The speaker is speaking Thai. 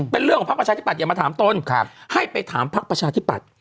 เป็นเรื่องของพักประชาธิบัตอย่ามาถามตนให้ไปถามพักประชาธิปัตย